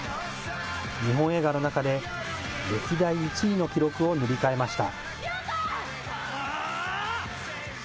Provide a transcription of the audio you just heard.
日本映画の中で、歴代１位の記録を塗り替えました。